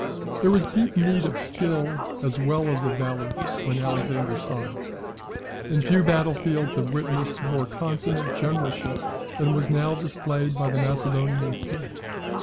] There was deep need of skill, as well as of valour, on Alexander's side; and few battle fields have witnessed more consummate generalship than was now displayed by the Macedonian king.